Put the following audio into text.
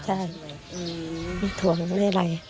ใช่ชั้นไม่ถวงเลย